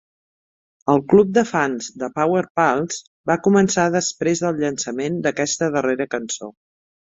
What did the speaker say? El club de fans de "Power Pals" va començar després del llançament d'aquesta darrera cançó.